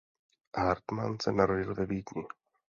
Hartmann se narodil ve Vídni.